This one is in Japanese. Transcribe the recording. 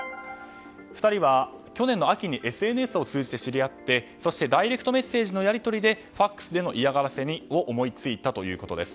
２人は去年の秋にＳＮＳを通じて知り合っていてそしてダイレクトメッセージのやり取りでＦＡＸでの嫌がらせを思いついたということです。